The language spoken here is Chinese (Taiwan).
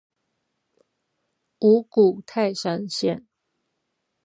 五股泰山線